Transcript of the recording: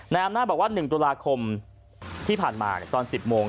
อำนาจบอกว่า๑ตุลาคมที่ผ่านมาตอน๑๐โมง